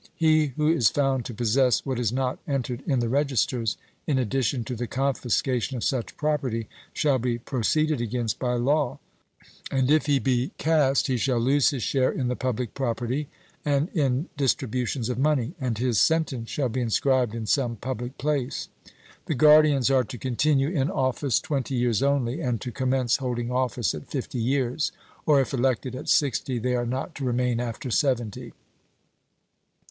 He who is found to possess what is not entered in the registers, in addition to the confiscation of such property shall be proceeded against by law, and if he be cast he shall lose his share in the public property and in distributions of money; and his sentence shall be inscribed in some public place. The guardians are to continue in office twenty years only, and to commence holding office at fifty years, or if elected at sixty they are not to remain after seventy.